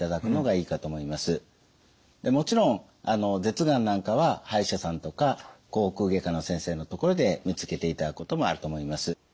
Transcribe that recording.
でもちろん舌がんなんかは歯医者さんとか口腔外科の先生のところで見つけていただくこともあると思います。